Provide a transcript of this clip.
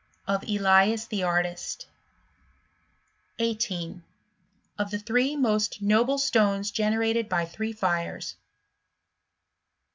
Of Elias the Artist. 1$. Of the three most noble Stones gcnentedbf diree Fires.